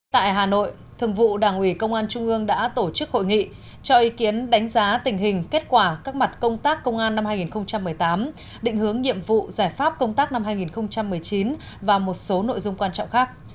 tại hà nội thường vụ đảng ủy công an trung ương đã tổ chức hội nghị cho ý kiến đánh giá tình hình kết quả các mặt công tác công an năm hai nghìn một mươi tám định hướng nhiệm vụ giải pháp công tác năm hai nghìn một mươi chín và một số nội dung quan trọng khác